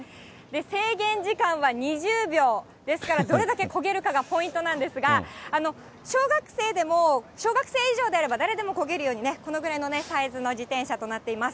制限時間は２０秒、ですから、どれだけこげるかがポイントなんですが、小学生でも、小学生以上であれば誰でもこげるようにね、このぐらいのサイズの自転車となっています。